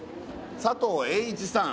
佐藤栄一さん